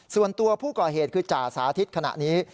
ส่วนตัวผู้ก่อเหตุคือจ่าสาธิตขณะนี้